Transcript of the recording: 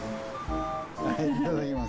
いただきます。